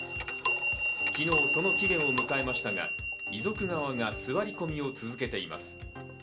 昨日、その期限を迎えましたが、遺族側が座り込みを続けています。